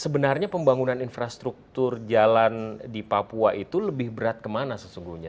sebenarnya pembangunan infrastruktur jalan di papua itu lebih berat kemana sesungguhnya